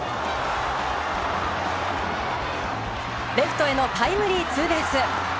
レフトへのタイムリーツーベース。